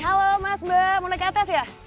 halo mas mbak mau naik ke atas ya